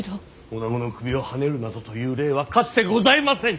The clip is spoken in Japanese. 女子の首をはねるなどという例はかつてございません！